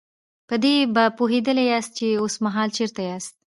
په دې به پوهېدلي ياستئ چې اوسمهال چېرته ياستئ.